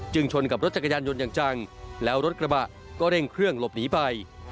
ชนกับรถจักรยานยนต์อย่างจังแล้วรถกระบะก็เร่งเครื่องหลบหนีไป